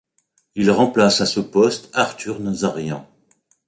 Il remplace à ce poste Arthur Nazarian.